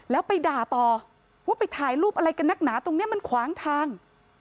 แล้วไปด่าต่อว่าไปถ่ายรูปอะไรกันนักหนาตรงนี้มันขวางทาง